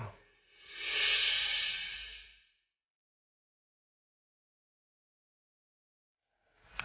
aku cuma bersikap baik